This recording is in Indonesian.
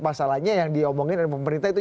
masalahnya yang diomongin oleh pemerintah itu